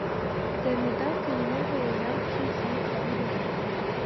د ندا کلیمې په وینا کښي خاص ځای لري.